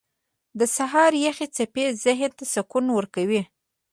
• د سهار یخې څپې ذهن ته سکون ورکوي.